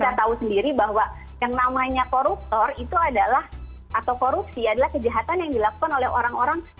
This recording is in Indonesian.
kita tahu sendiri bahwa yang namanya koruptor itu adalah atau korupsi adalah kejahatan yang dilakukan oleh orang orang